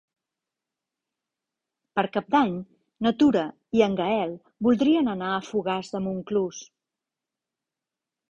Per Cap d'Any na Tura i en Gaël voldrien anar a Fogars de Montclús.